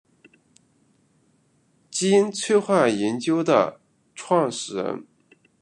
金催化研究的创始人。